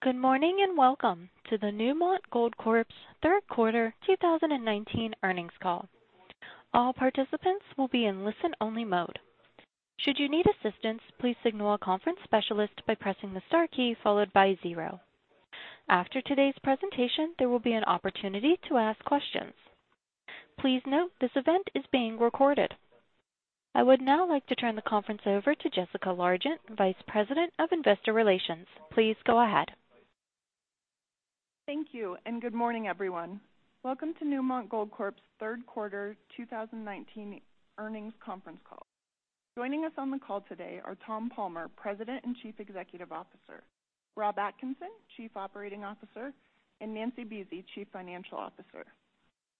Good morning, and welcome to the Newmont Goldcorp's third quarter 2019 earnings call. All participants will be in listen-only mode. Should you need assistance, please signal a conference specialist by pressing the star key followed by zero. After today's presentation, there will be an opportunity to ask questions. Please note this event is being recorded. I would now like to turn the conference over to Jessica Largent, Vice President of Investor Relations. Please go ahead. Thank you, and good morning, everyone. Welcome to Newmont Goldcorp's third quarter 2019 earnings conference call. Joining us on the call today are Tom Palmer, President and Chief Executive Officer, Rob Atkinson, Chief Operating Officer, and Nancy Buese, Chief Financial Officer.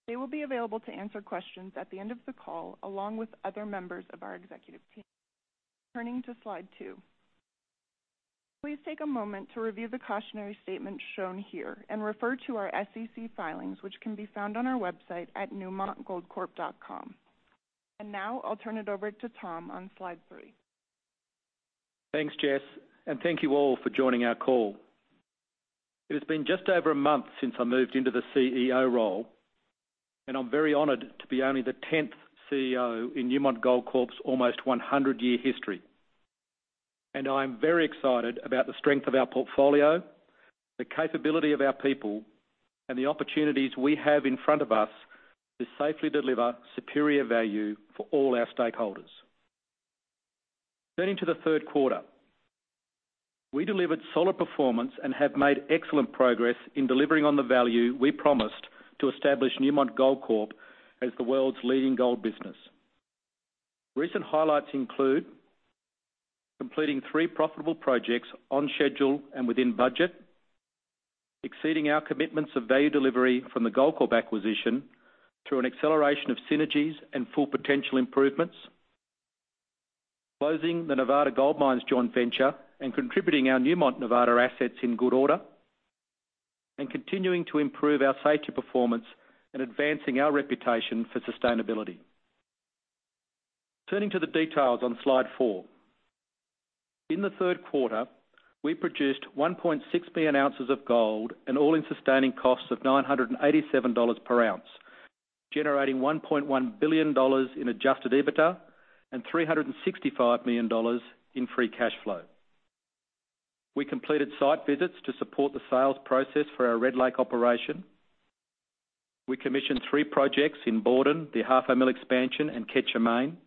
They will be available to answer questions at the end of the call, along with other members of our executive team. Turning to Slide 2. Please take a moment to review the cautionary statements shown here and refer to our SEC filings, which can be found on our website at newmont.com. Now I'll turn it over to Tom on Slide 3. Thanks, Jess. Thank you all for joining our call. It has been just over a month since I moved into the CEO role, and I'm very honored to be only the 10th CEO in Newmont Goldcorp's almost 100-year history. I'm very excited about the strength of our portfolio, the capability of our people, and the opportunities we have in front of us to safely deliver superior value for all our stakeholders. Turning to the third quarter. We delivered solid performance and have made excellent progress in delivering on the value we promised to establish Newmont Goldcorp as the world's leading gold business. Recent highlights include completing three profitable projects on schedule and within budget, exceeding our commitments of value delivery from the Goldcorp acquisition through an acceleration of synergies and Full Potential improvements, closing the Nevada Gold Mines joint venture and contributing our Newmont Nevada assets in good order, and continuing to improve our safety performance and advancing our reputation for sustainability. Turning to the details on Slide four. In the third quarter, we produced 1.6 billion ounces of gold and all-in sustaining costs of $987 per ounce, generating $1.1 billion in adjusted EBITDA and $365 million in free cash flow. We completed site visits to support the sales process for our Red Lake operation. We commissioned three projects in Borden, the Ahafo Mill Expansion, and Quecher Main,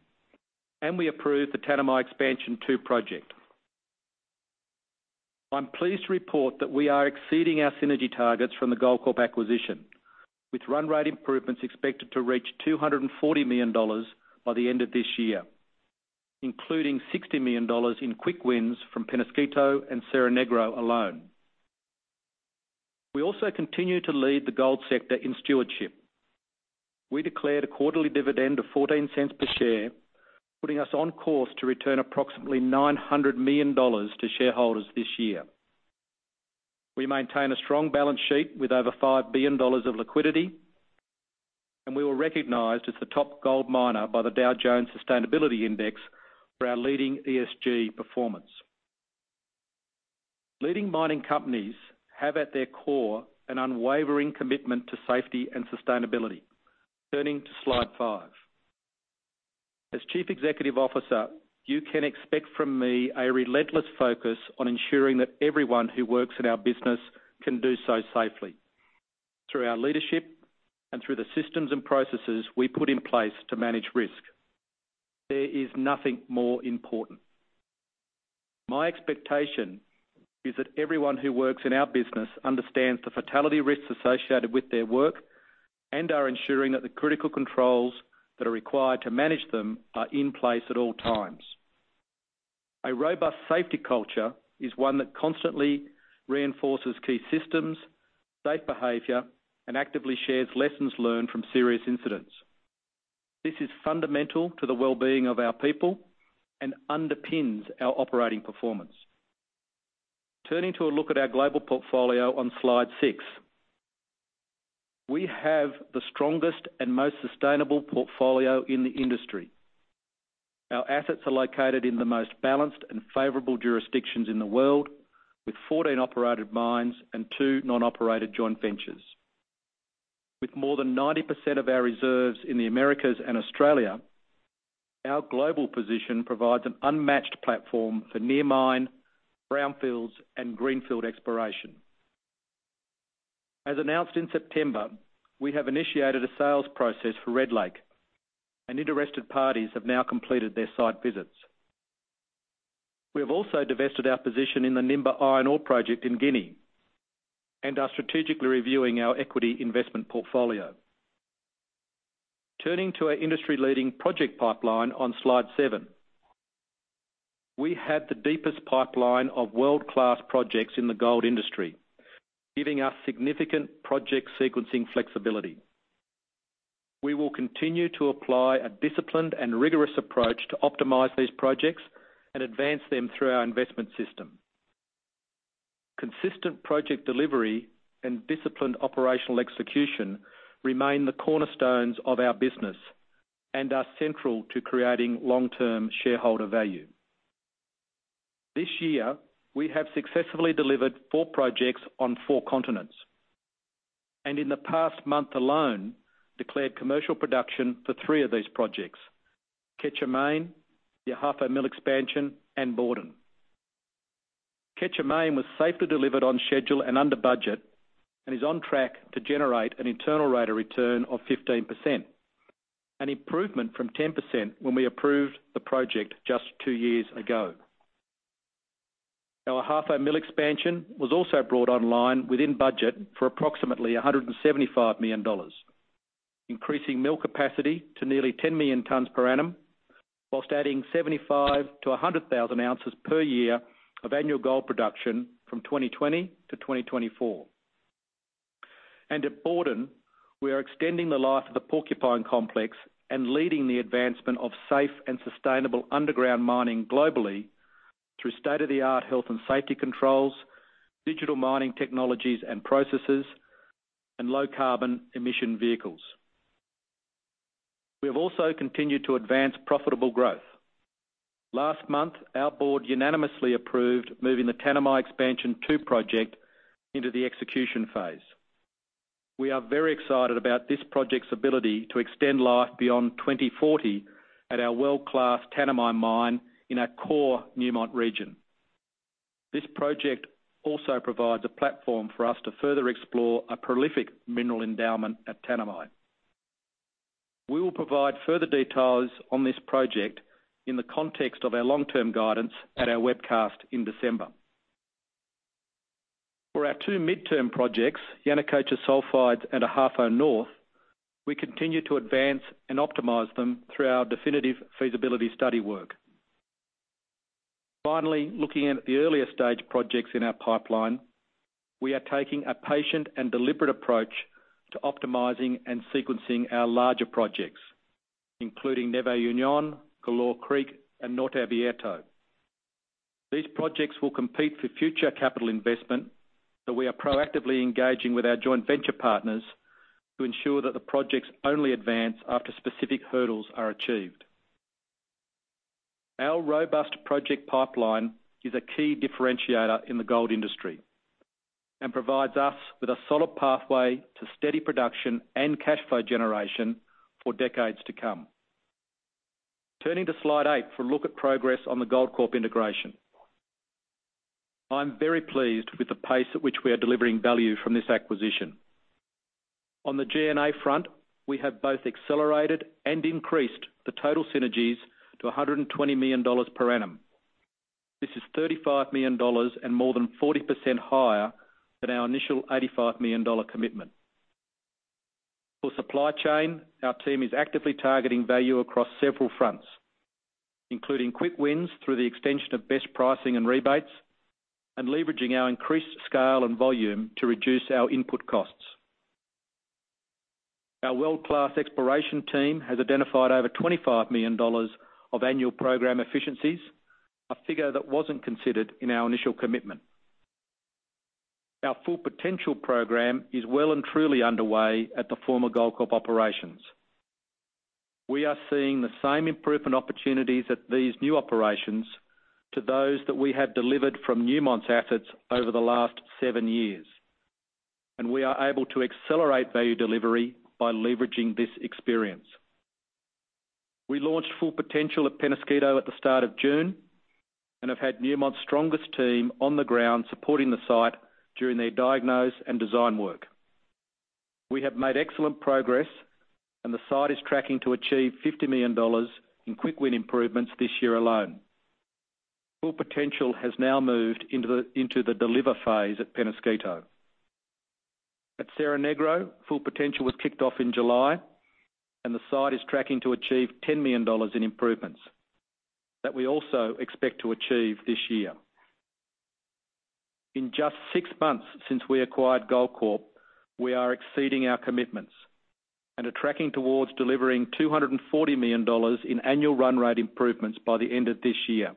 and we approved the Tanami Expansion 2 project. I'm pleased to report that we are exceeding our synergy targets from the Goldcorp acquisition, with run rate improvements expected to reach $240 million by the end of this year, including $60 million in quick wins from Peñasquito and Cerro Negro alone. We also continue to lead the gold sector in stewardship. We declared a quarterly dividend of $0.14 per share, putting us on course to return approximately $900 million to shareholders this year. We maintain a strong balance sheet with over $5 billion of liquidity, and we were recognized as the top gold miner by the Dow Jones Sustainability Index for our leading ESG performance. Leading mining companies have at their core an unwavering commitment to safety and sustainability. Turning to Slide five. As Chief Executive Officer, you can expect from me a relentless focus on ensuring that everyone who works in our business can do so safely through our leadership and through the systems and processes we put in place to manage risk. There is nothing more important. My expectation is that everyone who works in our business understands the fatality risks associated with their work and are ensuring that the critical controls that are required to manage them are in place at all times. A robust safety culture is one that constantly reinforces key systems, safe behavior, and actively shares lessons learned from serious incidents. This is fundamental to the well-being of our people and underpins our operating performance. Turning to a look at our global portfolio on Slide six. We have the strongest and most sustainable portfolio in the industry. Our assets are located in the most balanced and favorable jurisdictions in the world, with 14 operated mines and two non-operated joint ventures. With more than 90% of our reserves in the Americas and Australia, our global position provides an unmatched platform for near mine, brownfields, and greenfield exploration. As announced in September, we have initiated a sales process for Red Lake and interested parties have now completed their site visits. We have also divested our position in the Nimba Iron Ore project in Guinea and are strategically reviewing our equity investment portfolio. Turning to our industry-leading project pipeline on Slide seven. We have the deepest pipeline of world-class projects in the gold industry, giving us significant project sequencing flexibility. We will continue to apply a disciplined and rigorous approach to optimize these projects and advance them through our investment system. Consistent project delivery and disciplined operational execution remain the cornerstones of our business and are central to creating long-term shareholder value. This year, we have successfully delivered four projects on four continents, and in the past month alone, declared commercial production for three of these projects, Quecher Main, the Ahafo Mill Expansion, and Borden. Quecher Main was safely delivered on schedule and under budget and is on track to generate an internal rate of return of 15%, an improvement from 10% when we approved the project just two years ago. Our Ahafo Mill Expansion was also brought online within budget for approximately $175 million, increasing mill capacity to nearly 10 million tons per annum, whilst adding 75-100,000 ounces per year of annual gold production from 2020 to 2024. At Borden, we are extending the life of the Porcupine complex and leading the advancement of safe and sustainable underground mining globally through state-of-the-art health and safety controls, digital mining technologies and processes, and low-carbon emission vehicles. We have also continued to advance profitable growth. Last month, our board unanimously approved moving the Tanami Expansion 2 project into the execution phase. We are very excited about this project's ability to extend life beyond 2040 at our world-class Tanami mine in our core Newmont region. This project also provides a platform for us to further explore a prolific mineral endowment at Tanami. We will provide further details on this project in the context of our long-term guidance at our webcast in December. For our two midterm projects, Yanacocha Sulfides and Ahafo North, we continue to advance and optimize them through our definitive feasibility study work. Finally, looking at the earlier stage projects in our pipeline, we are taking a patient and deliberate approach to optimizing and sequencing our larger projects, including NuevaUnión, Galore Creek, and Norte Abierto. These projects will compete for future capital investment, so we are proactively engaging with our joint venture partners to ensure that the projects only advance after specific hurdles are achieved. Our robust project pipeline is a key differentiator in the gold industry and provides us with a solid pathway to steady production and cash flow generation for decades to come. Turning to slide eight for a look at progress on the Goldcorp integration. I'm very pleased with the pace at which we are delivering value from this acquisition. On the G&A front, we have both accelerated and increased the total synergies to $120 million per annum. This is $35 million and more than 40% higher than our initial $85 million commitment. For supply chain, our team is actively targeting value across several fronts, including quick wins through the extension of best pricing and rebates, and leveraging our increased scale and volume to reduce our input costs. Our world-class exploration team has identified over $25 million of annual program efficiencies, a figure that wasn't considered in our initial commitment. Our Full Potential program is well and truly underway at the former Goldcorp operations. We are seeing the same improvement opportunities at these new operations to those that we have delivered from Newmont's assets over the last seven years, and we are able to accelerate value delivery by leveraging this experience. We launched Full Potential at Peñasquito at the start of June and have had Newmont's strongest team on the ground supporting the site during their diagnose and design work. We have made excellent progress and the site is tracking to achieve $50 million in quick win improvements this year alone. Full Potential has now moved into the deliver phase at Peñasquito. At Cerro Negro, Full Potential was kicked off in July, and the site is tracking to achieve $10 million in improvements that we also expect to achieve this year. In just six months since we acquired Goldcorp, we are exceeding our commitments and are tracking towards delivering $240 million in annual run rate improvements by the end of this year.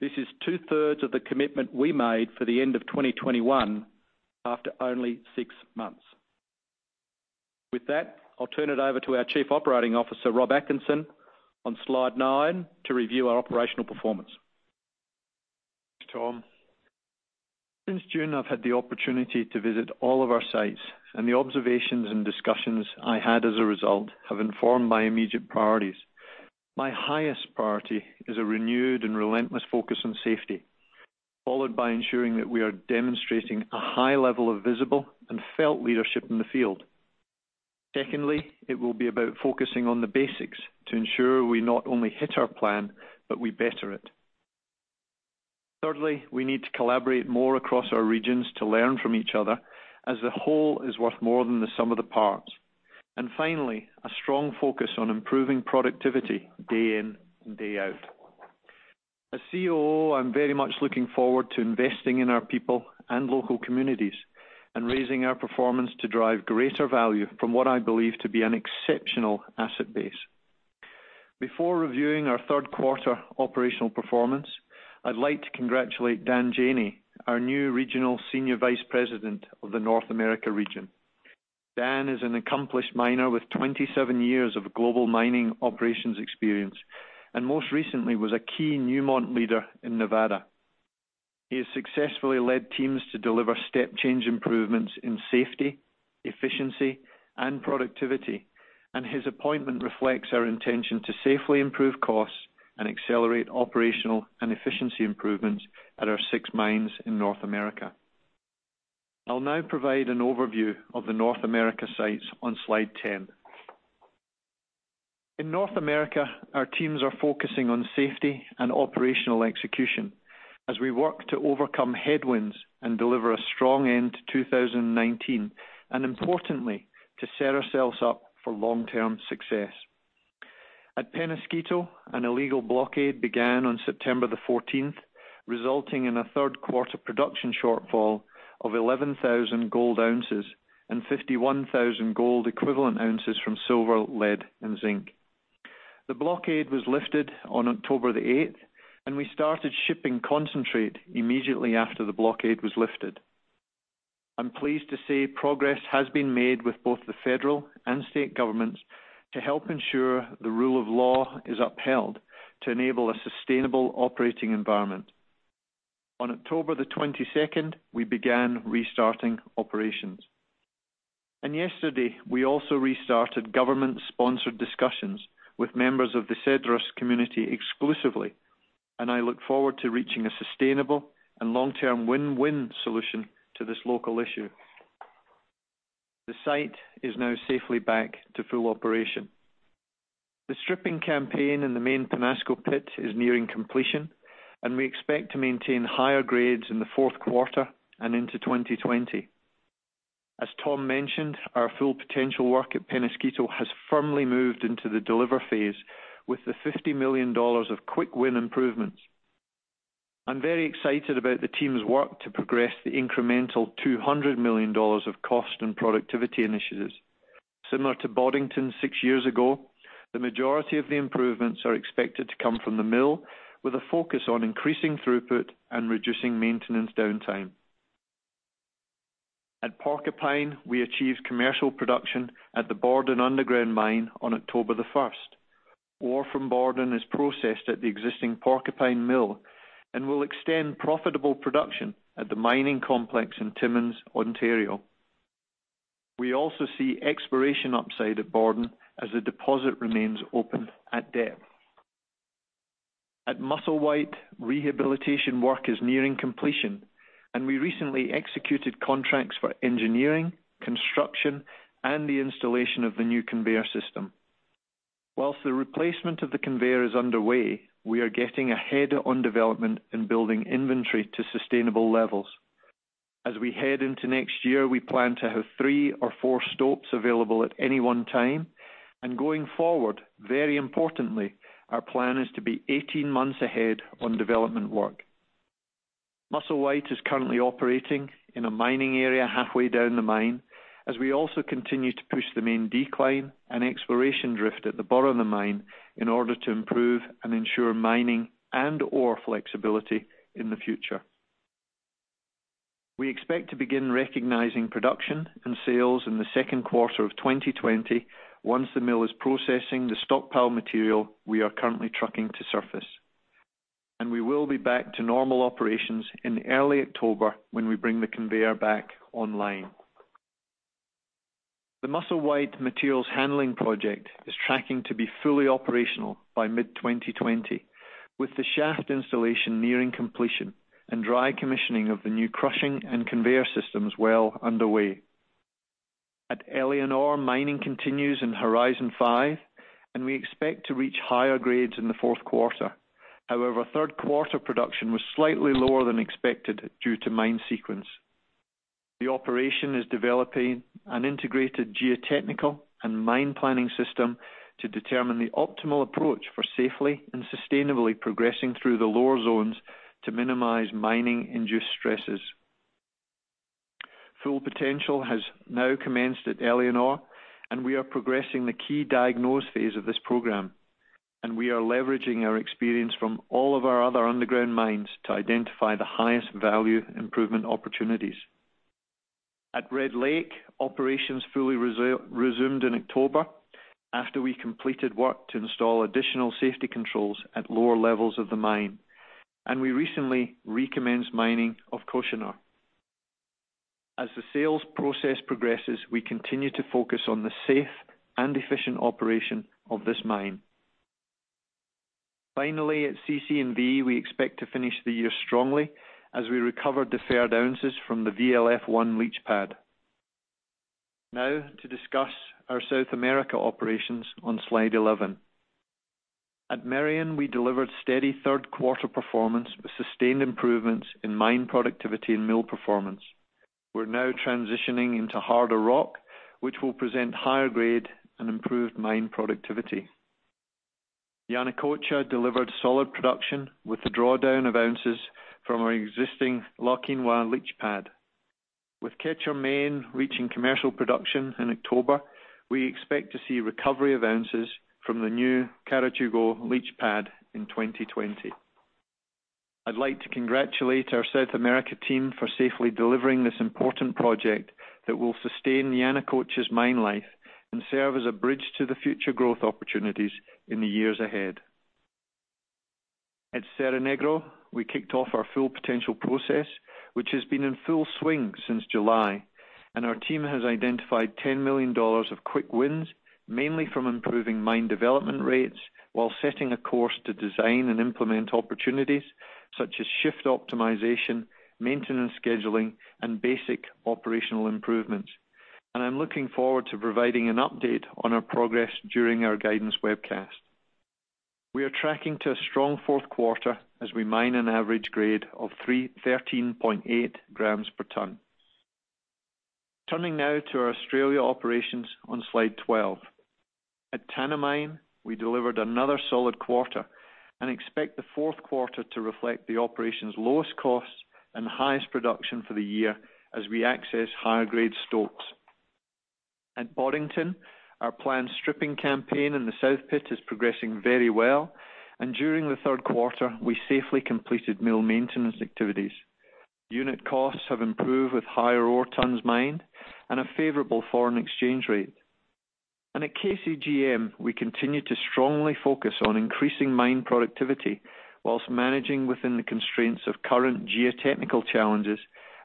This is two-thirds of the commitment we made for the end of 2021 after only six months. With that, I'll turn it over to our Chief Operating Officer, Rob Atkinson, on slide nine to review our operational performance. Thanks, Tom. Since June, I've had the opportunity to visit all of our sites, and the observations and discussions I had as a result have informed my immediate priorities. My highest priority is a renewed and relentless focus on safety, followed by ensuring that we are demonstrating a high level of visible and felt leadership in the field. Secondly, it will be about focusing on the basics to ensure we not only hit our plan, but we better it. Thirdly, we need to collaborate more across our regions to learn from each other as the whole is worth more than the sum of the parts. Finally, a strong focus on improving productivity day in and day out. As COO, I'm very much looking forward to investing in our people and local communities and raising our performance to drive greater value from what I believe to be an exceptional asset base. Before reviewing our third quarter operational performance, I'd like to congratulate Dan Janney, our new Regional Senior Vice President of the North America region. Dan is an accomplished miner with 27 years of global mining operations experience, and most recently was a key Newmont leader in Nevada. He has successfully led teams to deliver step change improvements in safety, efficiency, and productivity, and his appointment reflects our intention to safely improve costs and accelerate operational and efficiency improvements at our six mines in North America. I'll now provide an overview of the North America sites on slide 10. In North America, our teams are focusing on safety and operational execution as we work to overcome headwinds and deliver a strong end to 2019, and importantly, to set ourselves up for long-term success. At Peñasquito, an illegal blockade began on September the 14th, resulting in a third quarter production shortfall of 11,000 gold ounces and 51,000 gold equivalent ounces from silver, lead, and zinc. The blockade was lifted on October the 8th, and we started shipping concentrate immediately after the blockade was lifted. I'm pleased to say progress has been made with both the federal and state governments to help ensure the rule of law is upheld to enable a sustainable operating environment. On October the 22nd, we began restarting operations. Yesterday, we also restarted government-sponsored discussions with members of the Cedros community exclusively, and I look forward to reaching a sustainable and long-term win-win solution to this local issue. The site is now safely back to full operation. The stripping campaign in the main Peñasquito pit is nearing completion, and we expect to maintain higher grades in the fourth quarter and into 2020. As Tom mentioned, our Full Potential work at Peñasquito has firmly moved into the deliver phase with the $50 million of quick win improvements. I'm very excited about the team's work to progress the incremental $200 million of cost and productivity initiatives. Similar to Boddington six years ago, the majority of the improvements are expected to come from the mill with a focus on increasing throughput and reducing maintenance downtime. At Porcupine, we achieved commercial production at the Borden underground mine on October the 1st. Ore from Borden is processed at the existing Porcupine mill and will extend profitable production at the mining complex in Timmins, Ontario. We also see exploration upside at Borden as the deposit remains open at depth. At Musselwhite, rehabilitation work is nearing completion, and we recently executed contracts for engineering, construction, and the installation of the new conveyor system. While the replacement of the conveyor is underway, we are getting ahead on development and building inventory to sustainable levels. As we head into next year, we plan to have three or four stopes available at any one time. Going forward, very importantly, our plan is to be 18 months ahead on development work. Musselwhite is currently operating in a mining area halfway down the mine, as we also continue to push the main decline and exploration drift at the bottom of the mine in order to improve and ensure mining and ore flexibility in the future. We expect to begin recognizing production and sales in the second quarter of 2020 once the mill is processing the stockpile material we are currently trucking to surface. We will be back to normal operations in early October when we bring the conveyor back online. The Musselwhite materials handling project is tracking to be fully operational by mid-2020, with the shaft installation nearing completion and dry commissioning of the new crushing and conveyor systems well underway. At Éléonore, mining continues in Horizon 5, and we expect to reach higher grades in the fourth quarter. However, third quarter production was slightly lower than expected due to mine sequence. The operation is developing an integrated geotechnical and mine planning system to determine the optimal approach for safely and sustainably progressing through the lower zones to minimize mining-induced stresses. Full Potential has now commenced at Éléonore, and we are progressing the key diagnose phase of this program. We are leveraging our experience from all of our other underground mines to identify the highest value improvement opportunities. At Red Lake, operations fully resumed in October after we completed work to install additional safety controls at lower levels of the mine, and we recently recommenced mining of Cochenour. As the sales process progresses, we continue to focus on the safe and efficient operation of this mine. Finally, at CC&V, we expect to finish the year strongly as we recover deferred ounces from the VLF-1 leach pad. To discuss our South America operations on slide 11. At Merian, we delivered steady third quarter performance with sustained improvements in mine productivity and mill performance. We're now transitioning into harder rock, which will present higher grade and improved mine productivity. Yanacocha delivered solid production with the drawdown of ounces from our existing La Quinua leach pad. With Quecher Main reaching commercial production in October, we expect to see recovery of ounces from the new Carachugo leach pad in 2020. I'd like to congratulate our South America team for safely delivering this important project that will sustain Yanacocha's mine life and serve as a bridge to the future growth opportunities in the years ahead. At Cerro Negro, we kicked off our Full Potential process, which has been in full swing since July. Our team has identified $10 million of quick wins, mainly from improving mine development rates while setting a course to design and implement opportunities such as shift optimization, maintenance scheduling, and basic operational improvements. I'm looking forward to providing an update on our progress during our guidance webcast. We are tracking to a strong fourth quarter as we mine an average grade of 13.8 grams per ton. Turning now to our Australia operations on slide 12. At Tanami Mine, we delivered another solid quarter and expect the fourth quarter to reflect the operation's lowest costs and highest production for the year as we access higher-grade stocks. At Boddington, our planned stripping campaign in the South Pit is progressing very well, and during the third quarter, we safely completed mill maintenance activities. Unit costs have improved with higher ore tons mined and a favorable foreign exchange rate. At KCGM, we continue to strongly focus on increasing mine productivity whilst managing within the constraints of current geotechnical challenges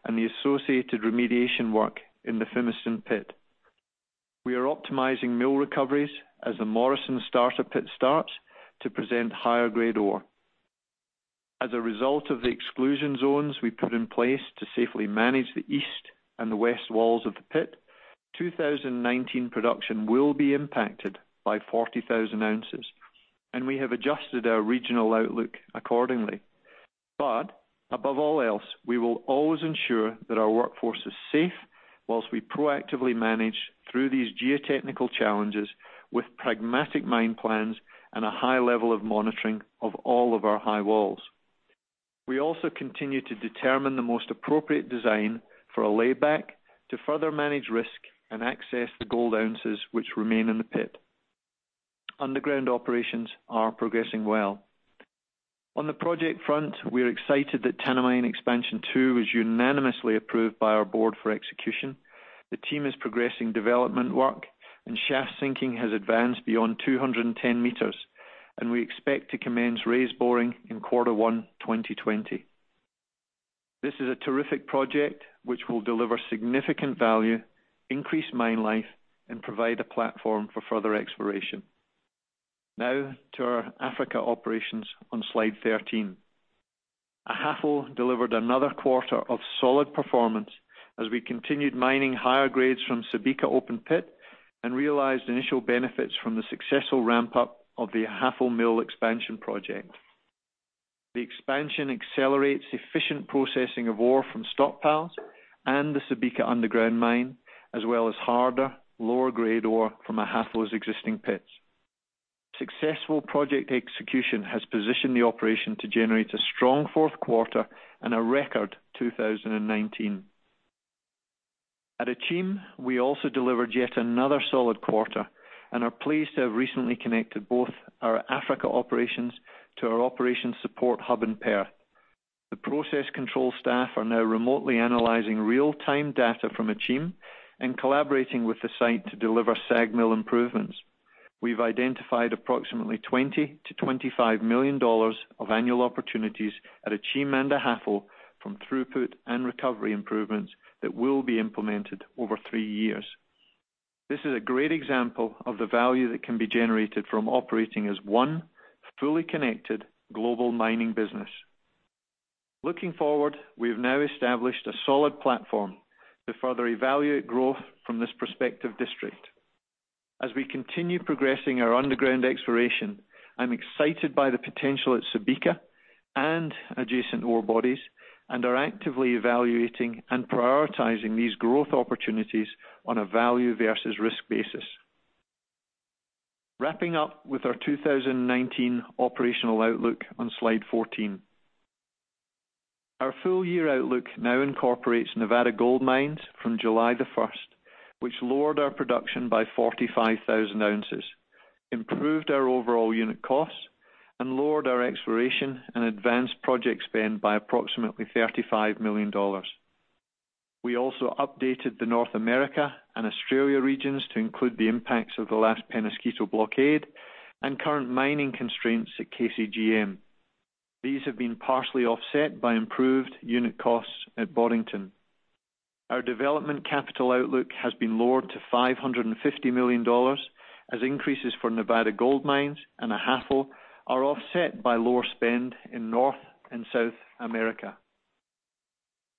and the associated remediation work in the Fimiston Pit. We are optimizing mill recoveries as the Morrison starter pit starts to present higher-grade ore. As a result of the exclusion zones we put in place to safely manage the east and the west walls of the pit, 2019 production will be impacted by 40,000 ounces, and we have adjusted our regional outlook accordingly. Above all else, we will always ensure that our workforce is safe while we proactively manage through these geotechnical challenges with pragmatic mine plans and a high level of monitoring of all of our high walls. We also continue to determine the most appropriate design for a lay-back to further manage risk and access the gold ounces which remain in the pit. Underground operations are progressing well. On the project front, we are excited that Tanami Expansion 2 was unanimously approved by our board for execution. The team is progressing development work, and shaft sinking has advanced beyond 210 meters, and we expect to commence raise boring in Quarter One 2020. This is a terrific project which will deliver significant value, increase mine life, and provide a platform for further exploration. Now to our Africa operations on Slide 13. Ahafo delivered another quarter of solid performance as we continued mining higher grades from Subika open pit and realized initial benefits from the successful ramp-up of the Ahafo Mill Expansion project. The expansion accelerates efficient processing of ore from stockpiles and the Subika underground mine, as well as harder, lower-grade ore from Ahafo's existing pits. Successful project execution has positioned the operation to generate a strong fourth quarter and a record 2019. At Akyem, we also delivered yet another solid quarter and are pleased to have recently connected both our Africa operations to our operations support hub in Perth. The process control staff are now remotely analyzing real-time data from Akyem and collaborating with the site to deliver SAG mill improvements. We've identified approximately $20 million-$25 million of annual opportunities at Akyem and Ahafo from throughput and recovery improvements that will be implemented over three years. This is a great example of the value that can be generated from operating as one fully connected global mining business. Looking forward, we have now established a solid platform to further evaluate growth from this prospective district. As we continue progressing our underground exploration, I'm excited by the potential at Subika and adjacent ore bodies and are actively evaluating and prioritizing these growth opportunities on a value versus risk basis. Wrapping up with our 2019 operational outlook on Slide 14. Our full-year outlook now incorporates Nevada Gold Mines from July the 1st, which lowered our production by 45,000 ounces, improved our overall unit costs, and lowered our exploration and advanced project spend by approximately $35 million. We also updated the North America and Australia regions to include the impacts of the last Peñasquito blockade and current mining constraints at KCGM. These have been partially offset by improved unit costs at Boddington. Our development capital outlook has been lowered to $550 million as increases for Nevada Gold Mines and Ahafo are offset by lower spend in North and South America.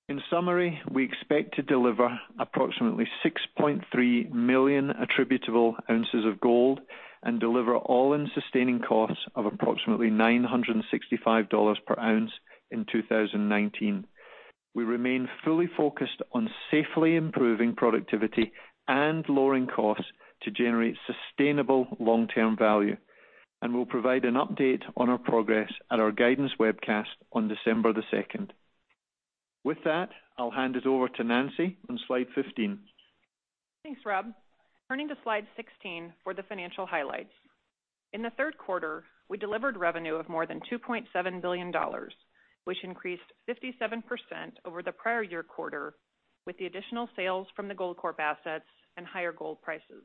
In summary, we expect to deliver approximately 6.3 million attributable ounces of gold and deliver all-in sustaining costs of approximately $965 per ounce in 2019. We remain fully focused on safely improving productivity and lowering costs to generate sustainable long-term value. We'll provide an update on our progress at our guidance webcast on December the second. With that, I'll hand it over to Nancy on slide 15. Thanks, Rob. Turning to slide 16 for the financial highlights. In the third quarter, we delivered revenue of more than $2.7 billion, which increased 57% over the prior year quarter with the additional sales from the Goldcorp assets and higher gold prices.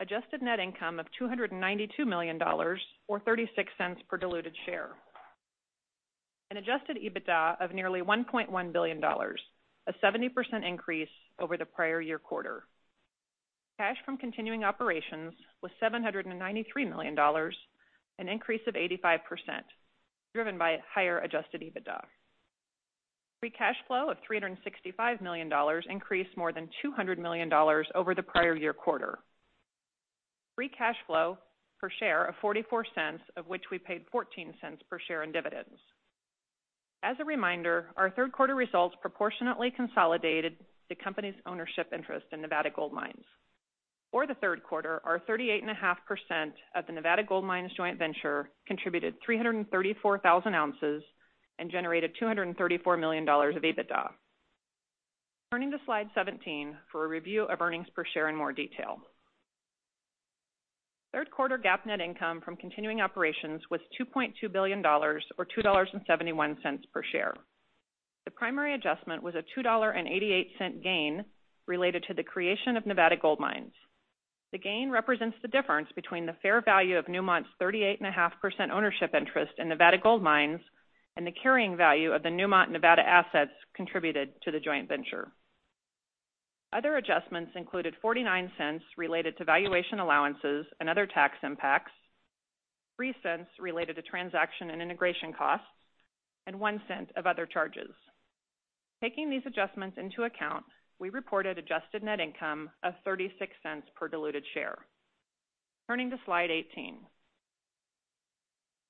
Adjusted net income of $292 million or $0.36 per diluted share. An adjusted EBITDA of nearly $1.1 billion, a 70% increase over the prior year quarter. Cash from continuing operations was $793 million, an increase of 85%, driven by higher adjusted EBITDA. Free cash flow of $365 million increased more than $200 million over the prior year quarter. Free cash flow per share of $0.44, of which we paid $0.14 per share in dividends. As a reminder, our third quarter results proportionately consolidated the company's ownership interest in Nevada Gold Mines. For the third quarter, our 38.5% of the Nevada Gold Mines joint venture contributed 334,000 ounces and generated $234 million of EBITDA. Turning to slide 17 for a review of earnings per share in more detail. Third quarter GAAP net income from continuing operations was $2.2 billion or $2.71 per share. The primary adjustment was a $2.88 gain related to the creation of Nevada Gold Mines. The gain represents the difference between the fair value of Newmont's 38.5% ownership interest in Nevada Gold Mines and the carrying value of the Newmont Nevada assets contributed to the joint venture. Other adjustments included $0.49 related to valuation allowances and other tax impacts, $0.03 related to transaction and integration costs, and $0.01 of other charges. Taking these adjustments into account, we reported adjusted net income of $0.36 per diluted share. Turning to slide 18.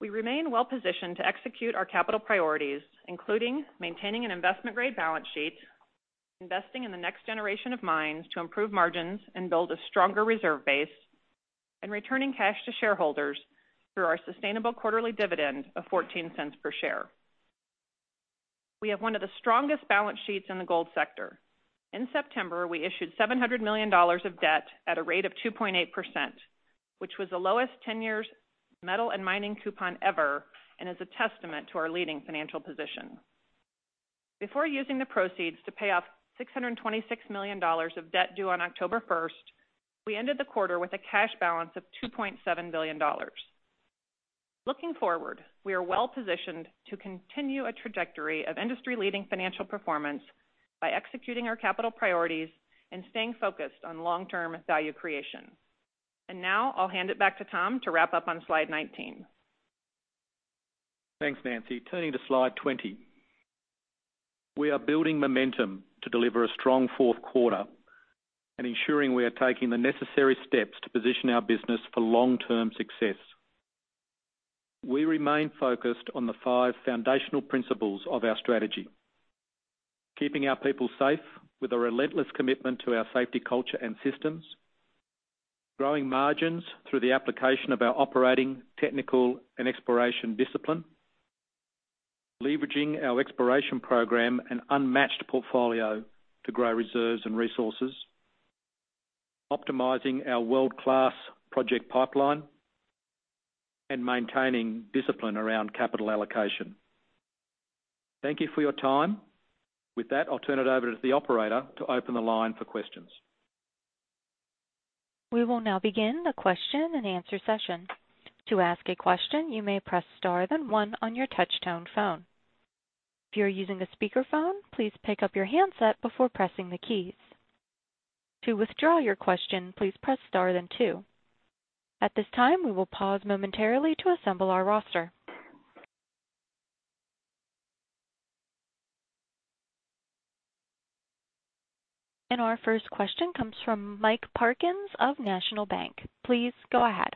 We remain well-positioned to execute our capital priorities, including maintaining an investment-grade balance sheet, investing in the next generation of mines to improve margins and build a stronger reserve base, and returning cash to shareholders through our sustainable quarterly dividend of $0.14 per share. We have one of the strongest balance sheets in the gold sector. In September, we issued $700 million of debt at a rate of 2.8%, which was the lowest 10-year metal and mining coupon ever and is a testament to our leading financial position. Before using the proceeds to pay off $626 million of debt due on October first, we ended the quarter with a cash balance of $2.7 billion. Looking forward, we are well-positioned to continue a trajectory of industry-leading financial performance by executing our capital priorities and staying focused on long-term value creation. Now I'll hand it back to Tom to wrap up on slide 19. Thanks, Nancy. Turning to slide 20. We are building momentum to deliver a strong fourth quarter and ensuring we are taking the necessary steps to position our business for long-term success. We remain focused on the five foundational principles of our strategy, keeping our people safe with a relentless commitment to our safety culture and systems, growing margins through the application of our operating, technical, and exploration discipline, leveraging our exploration program and unmatched portfolio to grow reserves and resources, optimizing our world-class project pipeline, and maintaining discipline around capital allocation. Thank you for your time. With that, I'll turn it over to the operator to open the line for questions. We will now begin the question and answer session. To ask a question, you may press star, then one on your touch-tone phone. If you are using a speakerphone, please pick up your handset before pressing the keys. To withdraw your question, please press star then two. At this time, we will pause momentarily to assemble our roster. Our first question comes from Mike Parkinson of National Bank. Please go ahead.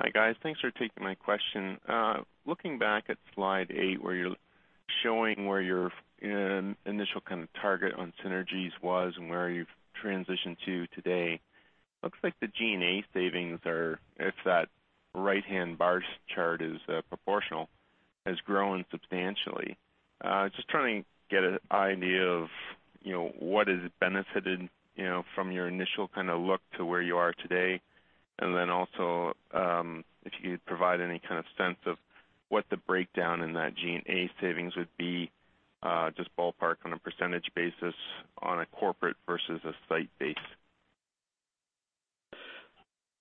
Hi, guys. Thanks for taking my question. Looking back at slide eight, where you're showing where your initial kind of target on synergies was and where you've transitioned to today, looks like the G&A savings are, if that right-hand bar chart is proportional, has grown substantially. Just trying to get an idea of what has benefited from your initial look to where you are today. Also, if you could provide any kind of sense of what the breakdown in that G&A savings would be, just ballpark on a percentage basis on a corporate versus a site base.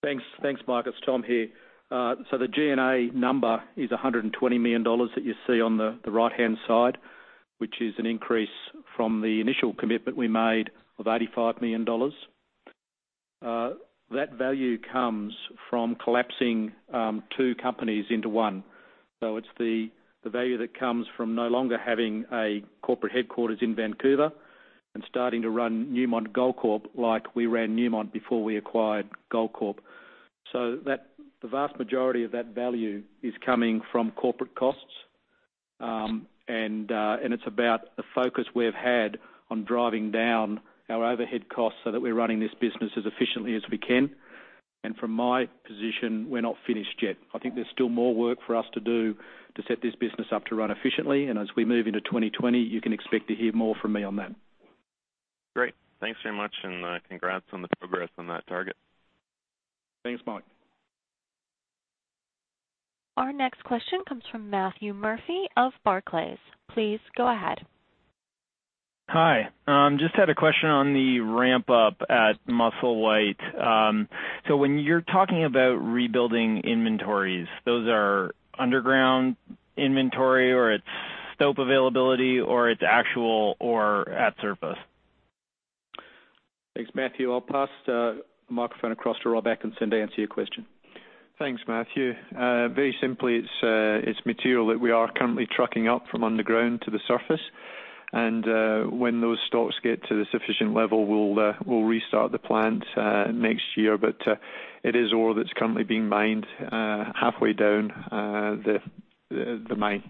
Thanks, Mike. It's Tom here. The G&A number is $120 million that you see on the right-hand side, which is an increase from the initial commitment we made of $85 million. That value comes from collapsing two companies into one. It's the value that comes from no longer having a corporate headquarters in Vancouver and starting to run Newmont Goldcorp like we ran Newmont before we acquired Goldcorp. The vast majority of that value is coming from corporate costs. It's about the focus we've had on driving down our overhead costs so that we're running this business as efficiently as we can. From my position, we're not finished yet. I think there's still more work for us to do to set this business up to run efficiently. As we move into 2020, you can expect to hear more from me on that. Great. Thanks very much, and congrats on the progress on that target. Thanks, Mike. Our next question comes from Matthew Murphy of Barclays. Please go ahead. Hi. Just had a question on the ramp up at Musselwhite. When you're talking about rebuilding inventories, those are underground inventory or it's stope availability or it's actual ore at surface? Thanks, Matthew. I'll pass the microphone across to Rob Atkinson to answer your question. Thanks, Matthew. Very simply, it's material that we are currently trucking up from underground to the surface. When those stocks get to the sufficient level, we'll restart the plant next year. It is ore that's currently being mined halfway down the mine.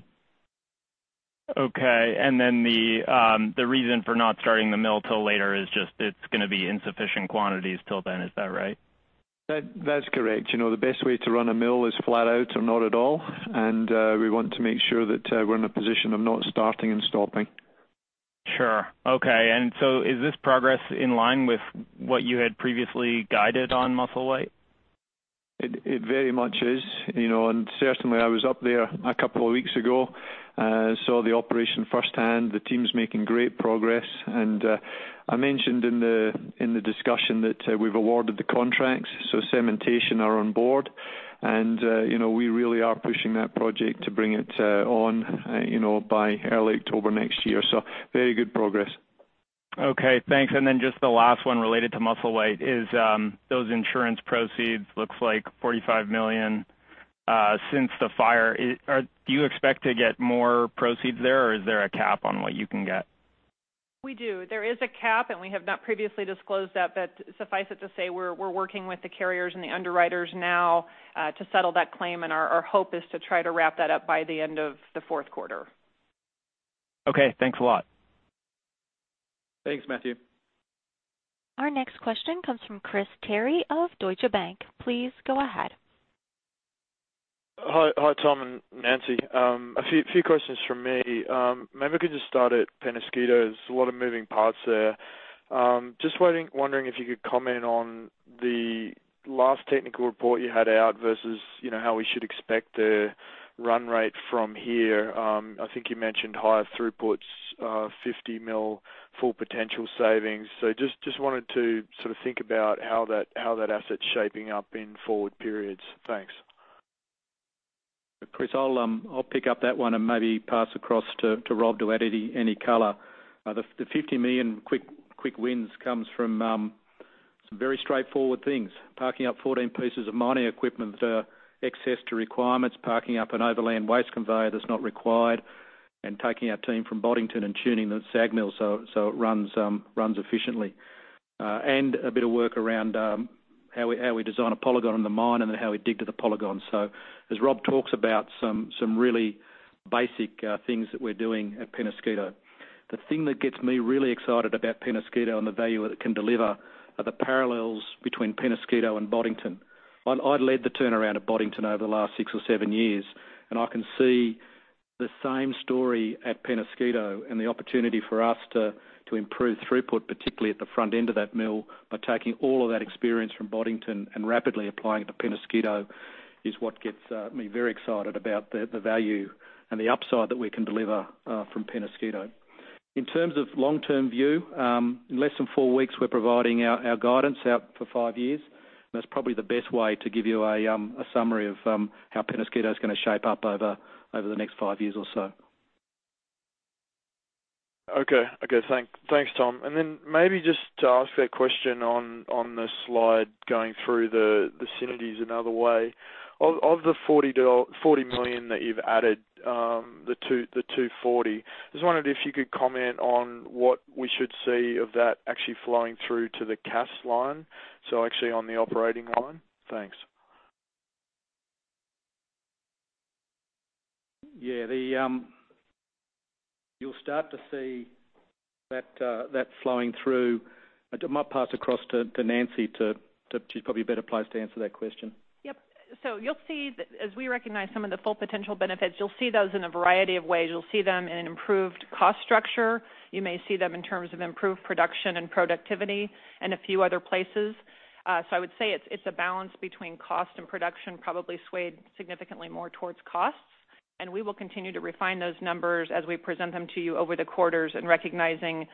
Okay. The reason for not starting the mill till later is just it's going to be insufficient quantities till then, is that right? That's correct. The best way to run a mill is flat out or not at all, and we want to make sure that we're in a position of not starting and stopping. Sure. Okay. Is this progress in line with what you had previously guided on Musselwhite? It very much is. Certainly, I was up there a couple of weeks ago and saw the operation firsthand. The team's making great progress. I mentioned in the discussion that we've awarded the contracts, so Cementation are on board. We really are pushing that project to bring it on by early October 2024. Very good progress. Okay, thanks. Just the last one related to Musselwhite is those insurance proceeds looks like $45 million since the fire. Do you expect to get more proceeds there, or is there a cap on what you can get? We do. There is a cap, and we have not previously disclosed that. Suffice it to say, we're working with the carriers and the underwriters now to settle that claim and our hope is to try to wrap that up by the end of the fourth quarter. Okay, thanks a lot. Thanks, Matthew. Our next question comes from Chris Terry of Deutsche Bank. Please go ahead. Hi, Tom and Nancy. A few questions from me. We can just start at Peñasquito. There's a lot of moving parts there. Wondering if you could comment on the last technical report you had out versus how we should expect the run rate from here. I think you mentioned higher throughputs, $50 million Full Potential savings. Wanted to think about how that asset's shaping up in forward periods. Thanks. Chris, I'll pick up that one and maybe pass across to Rob to add any color. The $50 million quick wins comes from some very straightforward things. Parking up 14 pieces of mining equipment that are excess to requirements, parking up an overland waste conveyor that's not required, and taking our team from Boddington and tuning the SAG mill so it runs efficiently. A bit of work around how we design a polygon in the mine and then how we dig to the polygon. As Rob talks about some really basic things that we're doing at Peñasquito. The thing that gets me really excited about Peñasquito and the value that it can deliver are the parallels between Peñasquito and Boddington. I led the turnaround at Boddington over the last six or seven years, and I can see the same story at Peñasquito and the opportunity for us to improve throughput, particularly at the front end of that mill by taking all of that experience from Boddington and rapidly applying it to Peñasquito, is what gets me very excited about the value and the upside that we can deliver from Peñasquito. In terms of long-term view, in less than four weeks, we're providing our guidance out for five years. That's probably the best way to give you a summary of how Peñasquito is going to shape up over the next five years or so. Okay. Thanks, Tom. Maybe just to ask that question on the slide going through the synergies another way. Of the $40 million that you've added, the $240, just wondering if you could comment on what we should see of that actually flowing through to the cash line, so actually on the operating line. Thanks. Yeah. You'll start to see that flowing through. I might pass across to Nancy, she's probably better placed to answer that question. Yep. You'll see that as we recognize some of the Full Potential benefits, you'll see those in a variety of ways. You'll see them in an improved cost structure. You may see them in terms of improved production and productivity and a few other places. I would say it's a balance between cost and production probably swayed significantly more towards costs. We will continue to refine those numbers as we present them to you over the quarters and recognizing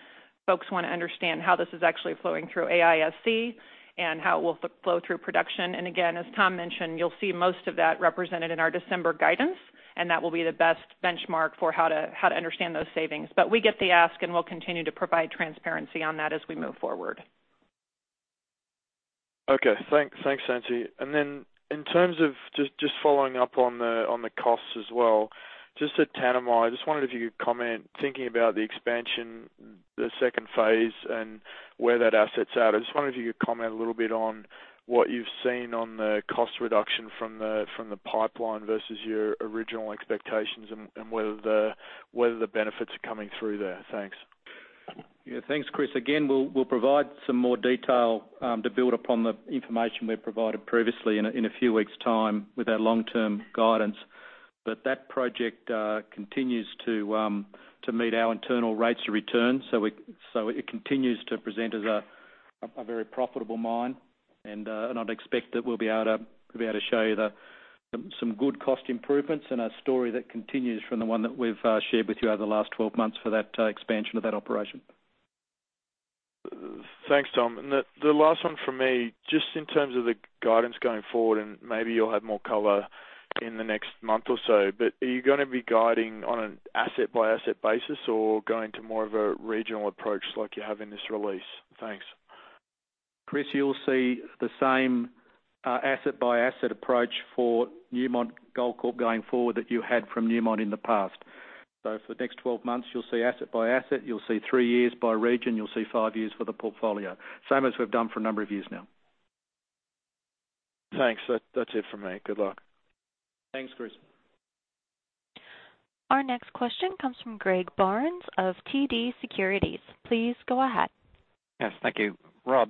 folks want to understand how this is actually flowing through AISC and how it will flow through production. Again, as Tom mentioned, you'll see most of that represented in our December guidance, and that will be the best benchmark for how to understand those savings. We get the ask, and we'll continue to provide transparency on that as we move forward. Okay, thanks, Nancy. Then in terms of just following up on the costs as well, just at Tanami, I just wondered if you could comment, thinking about the expansion, the second phase, and where that asset's at. I just wondered if you could comment a little bit on what you've seen on the cost reduction from the pipeline versus your original expectations and whether the benefits are coming through there. Thanks. Yeah. Thanks, Chris. We'll provide some more detail to build upon the information we've provided previously in a few weeks' time with our long-term guidance. That project continues to meet our internal rates of return. It continues to present as a very profitable mine. I'd expect that we'll be able to show you some good cost improvements and a story that continues from the one that we've shared with you over the last 12 months for that expansion of that operation. Thanks, Tom. The last one from me, just in terms of the guidance going forward, and maybe you'll have more color in the next month or so, but are you going to be guiding on an asset by asset basis or going to more of a regional approach like you have in this release? Thanks. Chris, you'll see the same asset by asset approach for Newmont Goldcorp going forward that you had from Newmont in the past. For the next 12 months, you'll see asset by asset, you'll see three years by region, you'll see five years for the portfolio. Same as we've done for a number of years now. Thanks. That's it from me. Good luck. Thanks, Chris. Our next question comes from Greg Barnes of TD Securities. Please go ahead. Yes, thank you. Rob,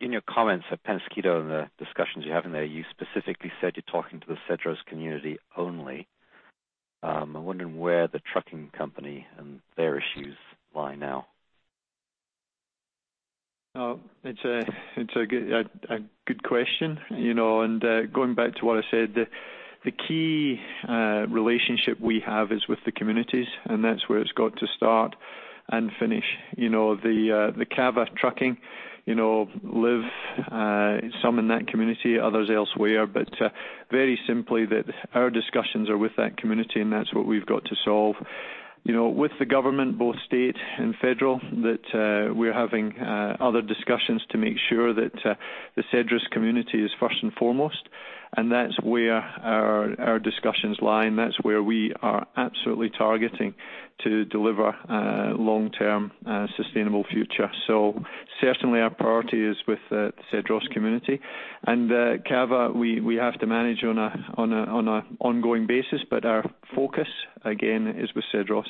in your comments at Peñasquito and the discussions you have in there, you specifically said you're talking to the Cedros community only. I'm wondering where the trucking company and their issues lie now. It's a good question. Going back to what I said, the key relationship we have is with the communities, and that's where it's got to start and finish. The CAVA trucking live, some in that community, others elsewhere. Very simply, our discussions are with that community, and that's what we've got to solve. With the government, both state and federal, we're having other discussions to make sure that the Cedros community is first and foremost, and that's where our discussions lie, and that's where we are absolutely targeting to deliver a long-term, sustainable future. Certainly our priority is with the Cedros community. CAVA, we have to manage on an ongoing basis, but our focus, again, is with Cedros.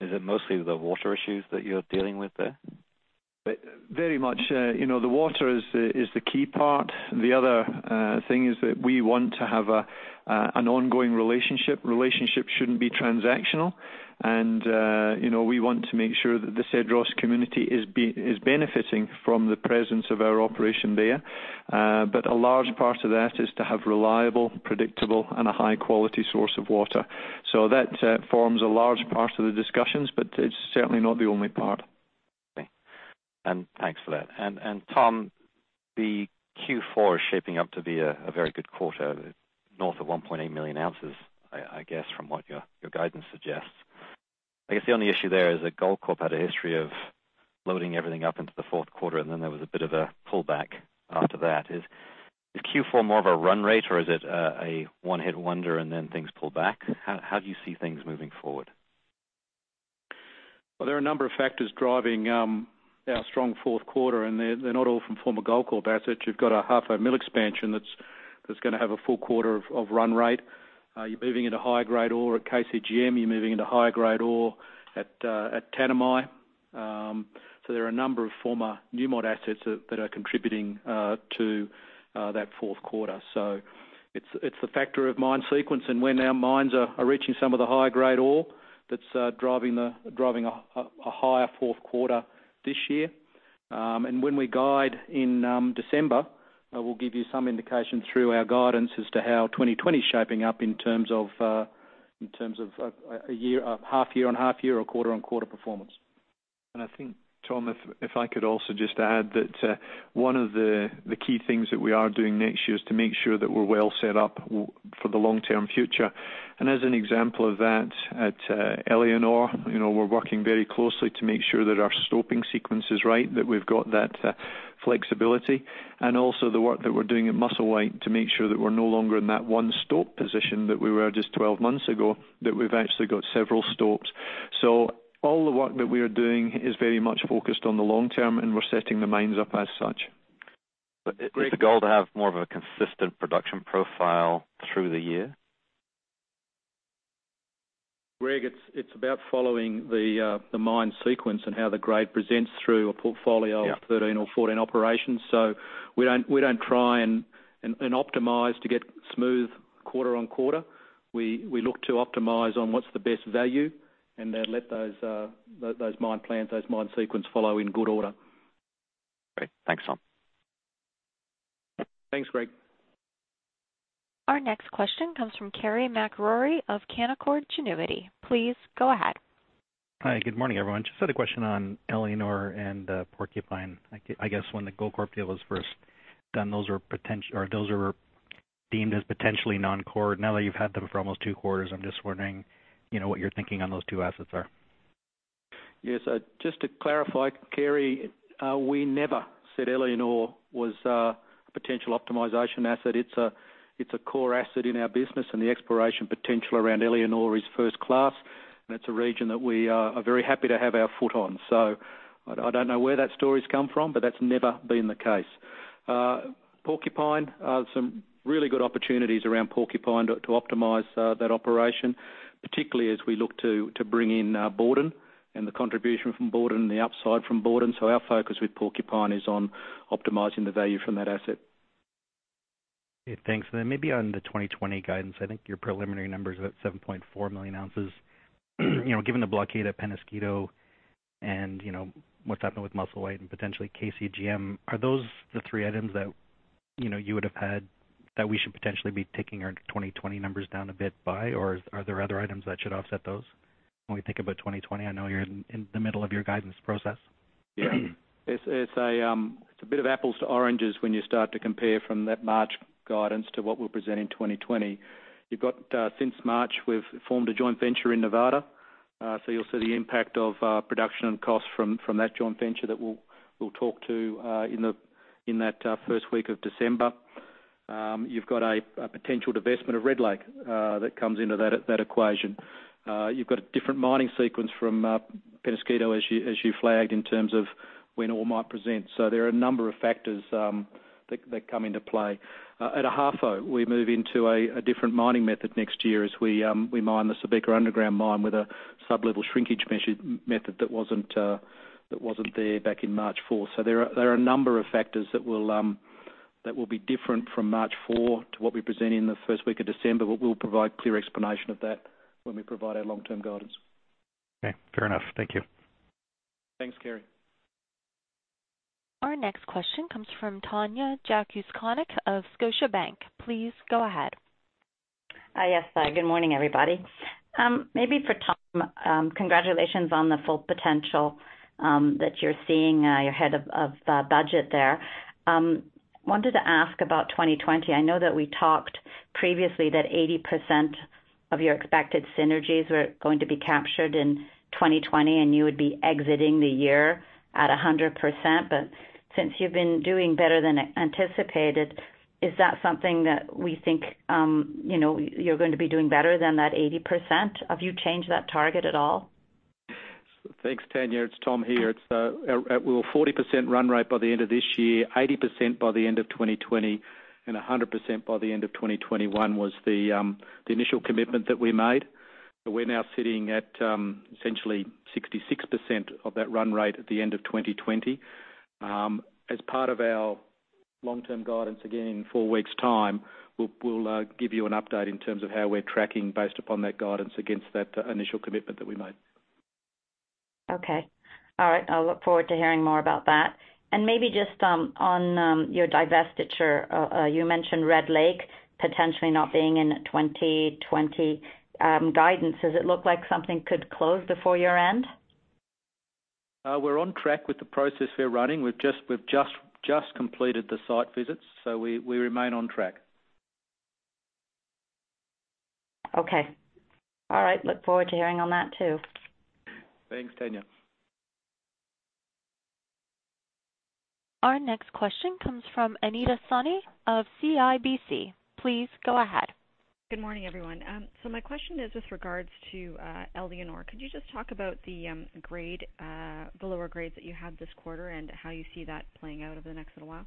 Is it mostly the water issues that you're dealing with there? Very much. The water is the key part. The other thing is that we want to have an ongoing relationship. Relationships shouldn't be transactional. We want to make sure that the Cedros community is benefiting from the presence of our operation there. A large part of that is to have reliable, predictable, and a high-quality source of water. That forms a large part of the discussions, but it's certainly not the only part. Okay. Thanks for that. Tom, the Q4 is shaping up to be a very good quarter, north of 1.8 million ounces, I guess, from what your guidance suggests. I guess the only issue there is that Goldcorp had a history of loading everything up into the fourth quarter, and then there was a bit of a pullback after that. Is Q4 more of a run rate, or is it a one-hit wonder and then things pull back? How do you see things moving forward? There are a number of factors driving our strong fourth quarter, and they're not all from former Goldcorp assets. You've got a Ahafo Mill Expansion that's going to have a full quarter of run rate. You're moving into higher-grade ore at KCGM, you're moving into higher-grade ore at Tanami. There are a number of former Newmont assets that are contributing to that fourth quarter. It's the factor of mine sequence and where now mines are reaching some of the higher-grade ore that's driving a higher fourth quarter this year. When we guide in December, we'll give you some indication through our guidance as to how 2020 is shaping up in terms of a half-year-on-half-year or quarter-on-quarter performance. I think, Tom, if I could also just add that one of the key things that we are doing next year is to make sure that we're well set up for the long-term future. As an example of that, at Éléonore, we're working very closely to make sure that our stoping sequence is right, that we've got that flexibility. Also the work that we're doing at Musselwhite to make sure that we're no longer in that one stope position that we were just 12 months ago, that we've actually got several stopes. All the work that we are doing is very much focused on the long term, and we're setting the mines up as such. Is the goal to have more of a consistent production profile through the year? Greg, it's about following the mine sequence and how the grade presents through a portfolio of 13 or 14 operations. We don't try and optimize to get smooth quarter-on-quarter. We look to optimize on what's the best value and then let those mine plans, those mine sequence follow in good order. Great. Thanks, Tom. Thanks, Greg. Our next question comes from Carey MacRory of Canaccord Genuity. Please go ahead. Hi. Good morning, everyone. Just had a question on Éléonore and Porcupine. I guess when the Goldcorp deal was first done, those were deemed as potentially non-core. Now that you've had them for almost two quarters, I'm just wondering what your thinking on those two assets are. Yes. Just to clarify, Carey, we never said Éléonore was a potential optimization asset. It's a core asset in our business, and the exploration potential around Éléonore is first class, and it's a region that we are very happy to have our foot on. I don't know where that story's come from, but that's never been the case. Porcupine, some really good opportunities around Porcupine to optimize that operation, particularly as we look to bring in Borden and the contribution from Borden, the upside from Borden. Our focus with Porcupine is on optimizing the value from that asset. Okay, thanks. Maybe on the 2020 guidance, I think your preliminary number's at 7.4 million ounces. Given the blockade at Peñasquito and what's happened with Musselwhite and potentially KCGM, are those the three items that you would have had that we should potentially be taking our 2020 numbers down a bit by, or are there other items that should offset those when we think about 2020? I know you're in the middle of your guidance process. It's a bit of apples to oranges when you start to compare from that March guidance to what we'll present in 2020. You've got, since March, we've formed a joint venture in Nevada. You'll see the impact of production and cost from that joint venture that we'll talk to in that first week of December. You've got a potential divestment of Red Lake that comes into that equation. You've got a different mining sequence from Peñasquito as you flagged in terms of when ore might present. There are a number of factors that come into play. At Ahafo, we move into a different mining method next year as we mine the Subika underground mine with a sublevel shrinkage method that wasn't there back in March 4th. There are a number of factors that will be different from March 4 to what we present in the first week of December. We'll provide clear explanation of that when we provide our long-term guidance. Okay, fair enough. Thank you. Thanks, Carey. Our next question comes from Tanya Jakusconek of Scotiabank. Please go ahead. Yes. Good morning, everybody. Maybe for Tom, congratulations on the Full Potential that you're seeing, you're ahead of budget there. Wanted to ask about 2020. I know that we talked previously that 80% of your expected synergies were going to be captured in 2020, and you would be exiting the year at 100%. Since you've been doing better than anticipated, is that something that we think you're going to be doing better than that 80%? Have you changed that target at all? Thanks, Tanya. It's Tom here. We were 40% run rate by the end of this year, 80% by the end of 2020, and 100% by the end of 2021 was the initial commitment that we made. We're now sitting at essentially 66% of that run rate at the end of 2020. As part of our long-term guidance, again, in four weeks' time, we'll give you an update in terms of how we're tracking based upon that guidance against that initial commitment that we made. Okay. All right. I'll look forward to hearing more about that. Maybe just on your divestiture, you mentioned Red Lake potentially not being in 2020 guidance. Does it look like something could close before year-end? We're on track with the process we're running. We've just completed the site visits. We remain on track. Okay. All right. Look forward to hearing on that, too. Thanks, Tanya. Our next question comes from Anita Soni of CIBC. Please go ahead. Good morning, everyone. My question is with regards to Éléonore. Could you just talk about the lower grades that you had this quarter and how you see that playing out over the next little while?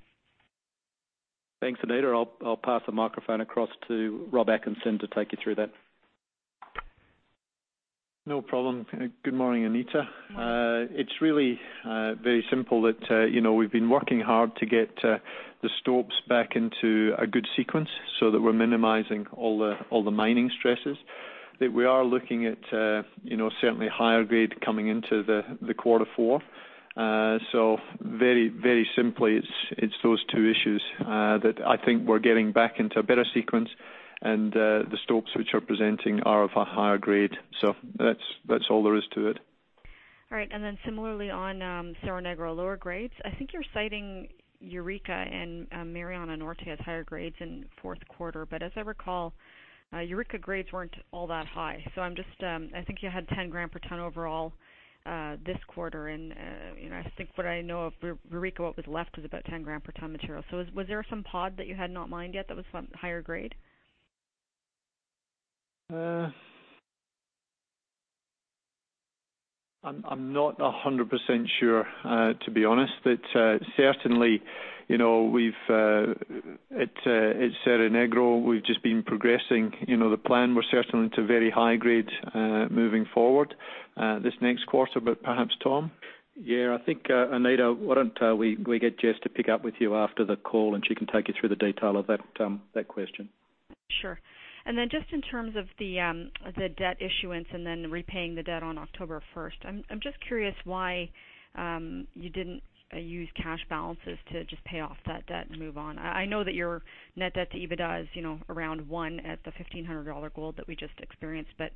Thanks, Anita. I'll pass the microphone across to Rob Atkinson to take you through that. No problem. Good morning, Anita. Morning. It's really very simple that we've been working hard to get the stopes back into a good sequence so that we're minimizing all the mining stresses. We are looking at certainly higher grade coming into the quarter four. Very simply, it's those two issues that I think we're getting back into a better sequence and the stopes which are presenting are of a higher grade. That's all there is to it. All right. Similarly on Cerro Negro lower grades, I think you're citing Eureka and Mariana Norte as higher grades in fourth quarter. As I recall, Eureka grades weren't all that high. I think you had 10 gram per ton overall this quarter, and I think what I know of Eureka, what was left was about 10 gram per ton material. Was there some pod that you had not mined yet that was higher grade? I'm not 100% sure, to be honest. Certainly, at Cerro Negro, we've just been progressing the plan. We're certainly to very high grades moving forward this next quarter. Perhaps, Tom? Yeah, I think, Anita, why don't we get Jess to pick up with you after the call, and she can take you through the detail of that question. Sure. Then just in terms of the debt issuance and then repaying the debt on October 1st, I'm just curious why you didn't use cash balances to just pay off that debt and move on. I know that your net debt to EBITDA is around one at the $1,500 gold that we just experienced, but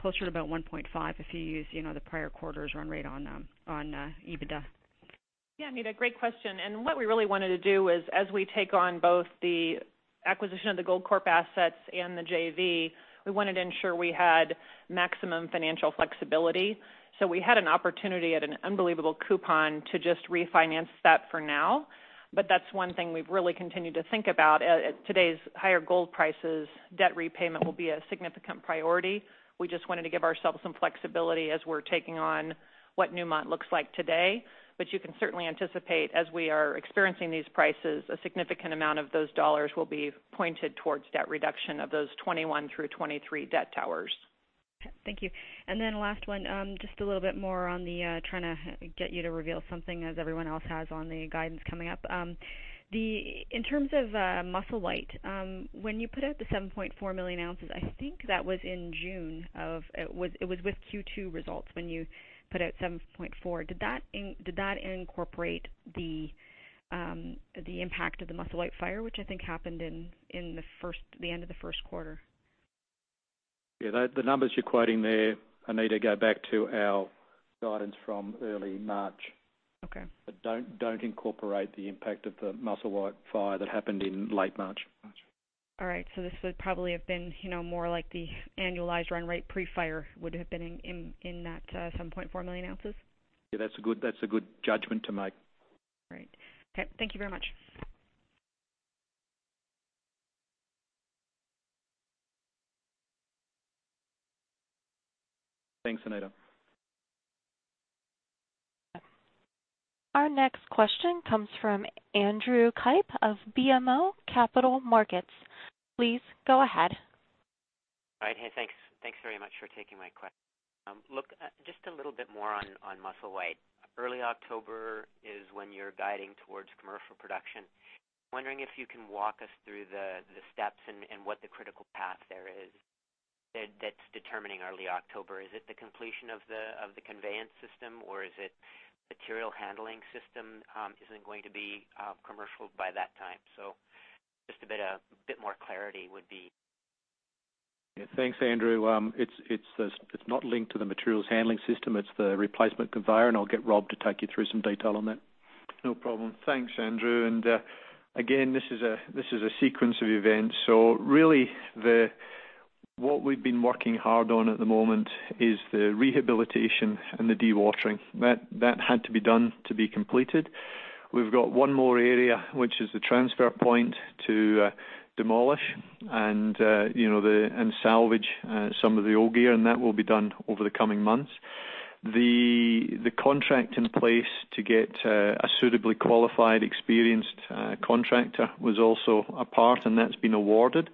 closer to about 1.5 if you use the prior quarter's run rate on EBITDA. Yeah, Anita, great question. What we really wanted to do is as we take on both the acquisition of the Goldcorp assets and the JV, we wanted to ensure we had maximum financial flexibility. We had an opportunity at an unbelievable coupon to just refinance that for now. That's one thing we've really continued to think about. At today's higher gold prices, debt repayment will be a significant priority. We just wanted to give ourselves some flexibility as we're taking on what Newmont looks like today. You can certainly anticipate, as we are experiencing these prices, a significant amount of those dollars will be pointed towards debt reduction of those 2021-2023 debt towers. Thank you. Last one, just a little bit more on the trying to get you to reveal something as everyone else has on the guidance coming up. In terms of Musselwhite, when you put out the 7.4 million ounces, I think that was in June. It was with Q2 results when you put out 7.4. Did that incorporate the impact of the Musselwhite fire, which I think happened in the end of the first quarter? Yeah, the numbers you're quoting there, Anita, go back to our guidance from early March. Okay. Don't incorporate the impact of the Musselwhite fire that happened in late March. Got you. All right. This would probably have been more like the annualized run rate pre-fire would have been in that 7.4 million ounces? Yeah, that's a good judgment to make. All right. Okay, thank you very much. Thanks, Anita. Our next question comes from Andrew Kipe of BMO Capital Markets. Please go ahead. All right. Hey, thanks very much for taking my question. Just a little bit more on Musselwhite. Early October is when you're guiding towards commercial production. Wondering if you can walk us through the steps and what the critical path there is that's determining early October. Is it the completion of the conveyance system, or is it material handling system isn't going to be commercial by that time? Just a bit more clarity would be Yeah. Thanks, Andrew. It's not linked to the materials handling system, it's the replacement conveyor, and I'll get Rob to take you through some detail on that. No problem. Thanks, Andrew. Again, this is a sequence of events. Really, what we've been working hard on at the moment is the rehabilitation and the dewatering. That had to be done to be completed. We've got one more area, which is the transfer point to demolish and salvage some of the old gear, and that will be done over the coming months. The contract in place to get a suitably qualified, experienced contractor was also a part, and that's been awarded.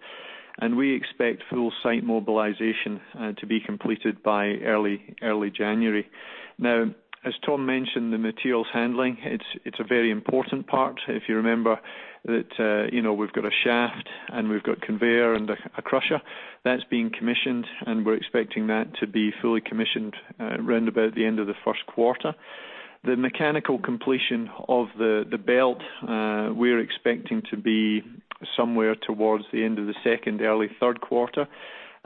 We expect full site mobilization to be completed by early January. Now, as Tom mentioned, the materials handling, it's a very important part. If you remember that we've got a shaft and we've got conveyor and a crusher. That's being commissioned, and we're expecting that to be fully commissioned around about the end of the first quarter. The mechanical completion of the belt, we're expecting to be somewhere towards the end of the second, early third quarter.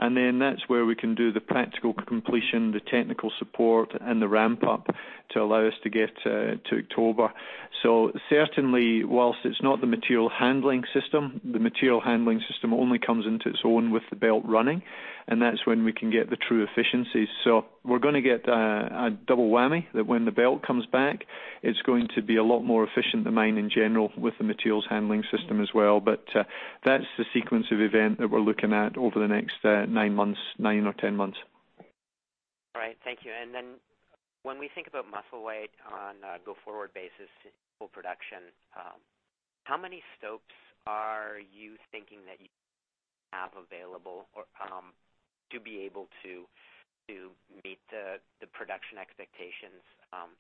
That's where we can do the practical completion, the technical support, and the ramp up to allow us to get to October. Certainly, whilst it's not the material handling system, the material handling system only comes into its own with the belt running, and that's when we can get the true efficiencies. We're going to get a double whammy that when the belt comes back, it's going to be a lot more efficient, the mine in general, with the materials handling system as well. That's the sequence of event that we're looking at over the next nine months, nine or 10 months. All right. Thank you. When we think about Musselwhite on a go-forward basis to full production, how many stopes are you thinking that you have available to be able to meet the production expectations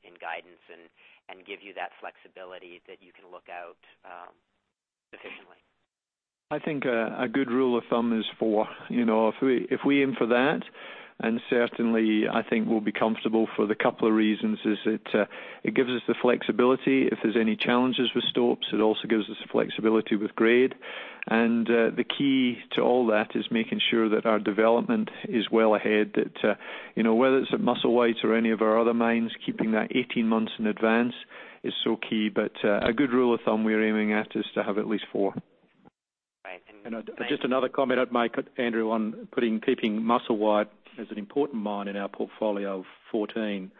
and guidance and give you that flexibility that you can look out efficiently? I think a good rule of thumb is four. If we aim for that, and certainly I think we'll be comfortable for the couple of reasons, is it gives us the flexibility if there's any challenges with stopes. It also gives us flexibility with grade. The key to all that is making sure that our development is well ahead. That whether it's at Musselwhite or any of our other mines, keeping that 18 months in advance is so key. A good rule of thumb we're aiming at is to have at least four. Right. Just another comment I'd make, Andrew, on keeping Musselwhite as an important mine in our portfolio of 14,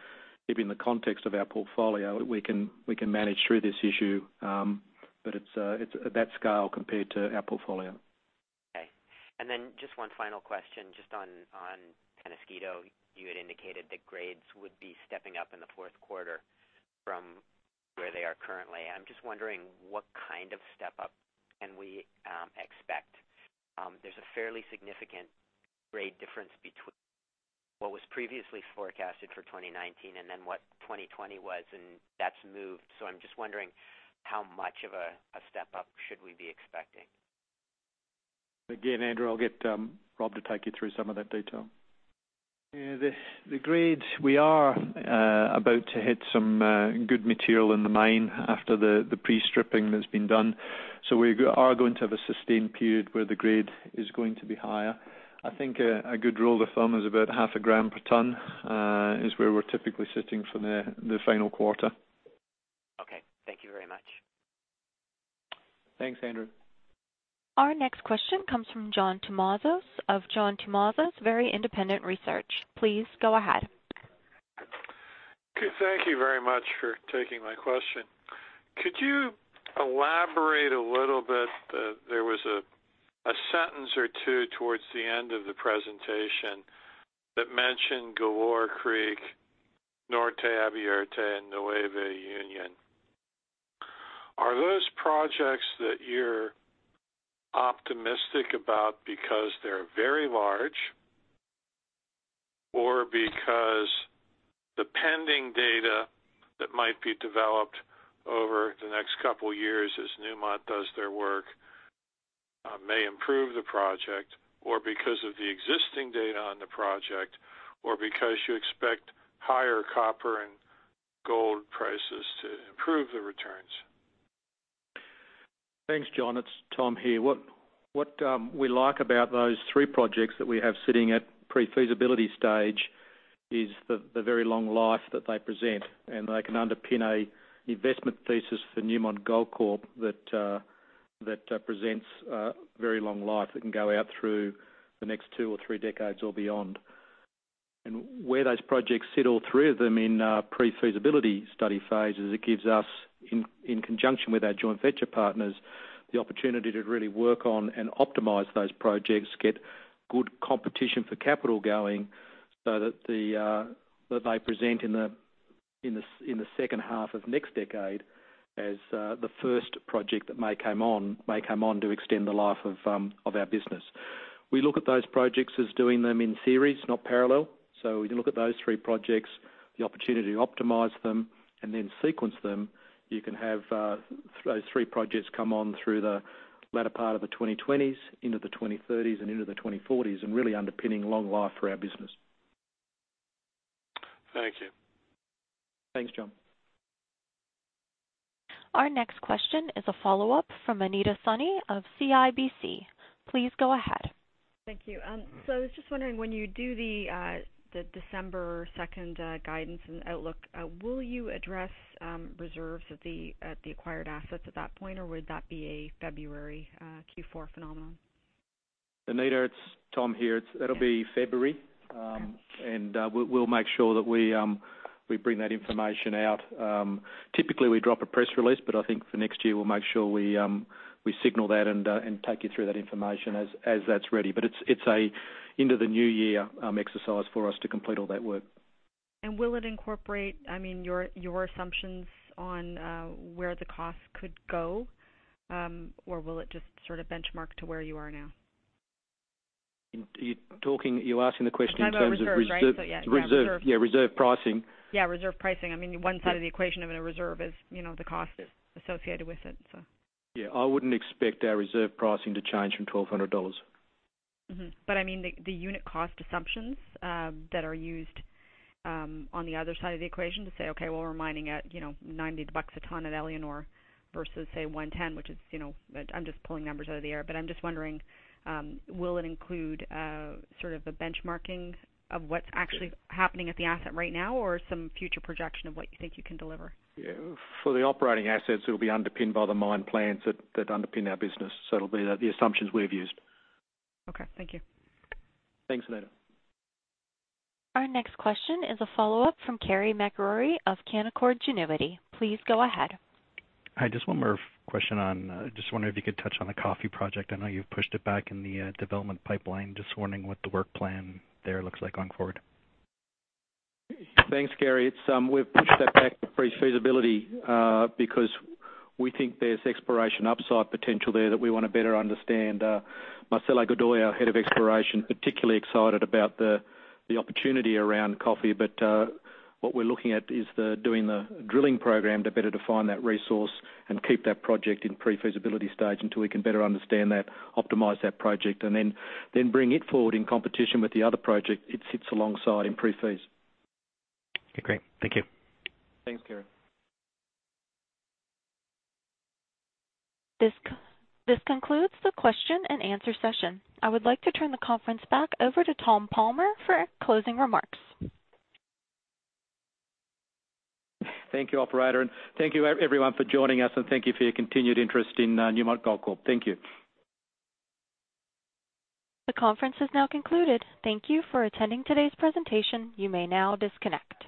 keeping the context of our portfolio, we can manage through this issue, but it's that scale compared to our portfolio. Okay. Just one final question, just on Peñasquito. You had indicated that grades would be stepping up in the fourth quarter from where they are currently. I'm just wondering what kind of step up can we expect? There's a fairly significant grade difference between what was previously forecasted for 2019 and then what 2020 was, and that's moved. I'm just wondering how much of a step up should we be expecting? Again, Andrew, I'll get Rob to take you through some of that detail. Yeah. The grades, we are about to hit some good material in the mine after the pre-stripping that's been done. We are going to have a sustained period where the grade is going to be higher. I think a good rule of thumb is about half a gram per ton, is where we're typically sitting for the final quarter. Okay. Thank you very much. Thanks, Andrew. Our next question comes from John Tumazos of John Tumazos Very Independent Research. Please go ahead. Okay, thank you very much for taking my question. Could you elaborate a little bit, there was a sentence or two towards the end of the presentation that mentioned Galore Creek, Norte Abierto, and Nueva Unión. Are those projects that you're optimistic about because they're very large or because the pending data that might be developed over the next couple of years as Newmont does their work may improve the project, or because of the existing data on the project, or because you expect higher copper and gold prices to improve the returns? Thanks, John. It's Tom here. What we like about those three projects that we have sitting at pre-feasibility stage is the very long life that they present, and they can underpin an investment thesis for Newmont Goldcorp that presents a very long life, that can go out through the next two or three decades or beyond. Where those projects sit, all three of them in pre-feasibility study phases, it gives us, in conjunction with our joint venture partners, the opportunity to really work on and optimize those projects, get good competition for capital going so that they present in the second half of next decade as the first project that may come on to extend the life of our business. We look at those three projects, the opportunity to optimize them and then sequence them. You can have those three projects come on through the latter part of the 2020s into the 2030s and into the 2040s and really underpinning long life for our business. Thank you. Thanks, John. Our next question is a follow-up from Anita Soni of CIBC. Please go ahead. Thank you. I was just wondering, when you do the December 2nd guidance and outlook, will you address reserves at the acquired assets at that point, or would that be a February Q4 phenomenon? Anita, it's Tom here. That'll be February. Okay. We'll make sure that we bring that information out. Typically, we drop a press release. I think for next year, we'll make sure we signal that and take you through that information as that's ready. It's an into the new year exercise for us to complete all that work. Will it incorporate your assumptions on where the costs could go? Or will it just sort of benchmark to where you are now? You're asking the question in terms of reserve- I'm talking about reserves, right? Yeah. Yeah, reserve pricing. Yeah, reserve pricing. One side of the equation of a reserve is the cost associated with it. Yeah. I wouldn't expect our reserve pricing to change from $1,200. The unit cost assumptions that are used on the other side of the equation to say, "Okay, well, we're mining at $90 a ton at Éléonore versus, say, $110," I'm just pulling numbers out of the air. I'm just wondering, will it include sort of a benchmarking of what's actually happening at the asset right now or some future projection of what you think you can deliver? Yeah. For the operating assets, it'll be underpinned by the mine plans that underpin our business. It'll be the assumptions we've used. Okay. Thank you. Thanks, Anita. Our next question is a follow-up from Carey MacRory of Canaccord Genuity. Please go ahead. Hi, just one more question on, just wondering if you could touch on the Coffee Project. I know you've pushed it back in the development pipeline. Just wondering what the work plan there looks like going forward? Thanks, Carey. We've pushed that back to pre-feasibility because we think there's exploration upside potential there that we want to better understand. Marcelo Godoy, our head of exploration, particularly excited about the opportunity around Coffee. What we're looking at is doing the drilling program to better define that resource and keep that project in pre-feasibility stage until we can better understand that, optimize that project, and then bring it forward in competition with the other project it sits alongside in pre-feas. Okay, great. Thank you. Thanks, Carey. This concludes the question and answer session. I would like to turn the conference back over to Tom Palmer for closing remarks. Thank you, operator, and thank you everyone for joining us, and thank you for your continued interest in Newmont Goldcorp. Thank you. The conference is now concluded. Thank you for attending today's presentation. You may now disconnect.